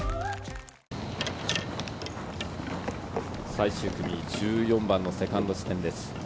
最終組１４番のセカンド地点です。